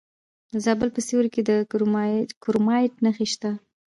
د زابل په سیوري کې د کرومایټ نښې شته.